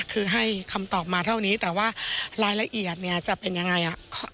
คือให้คำตอบมาเท่านี้แต่ว่ารายละเอียดเนี่ยจะเป็นยังไง